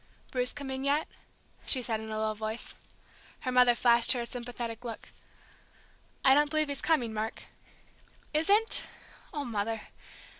"Bruce come in yet?" she said in a low voice. Her mother flashed her a sympathetic look. "I don't believe he's coming, Mark." "Isn't! Oh, Mother!